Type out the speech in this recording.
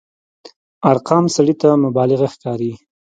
ارقام سړي ته مبالغه ښکاري.